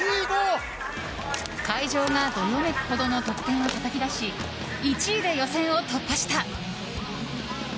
会場がどよめくほどの得点をたたき出し１位で予選を突破した。